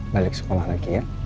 balik sekolah lagi ya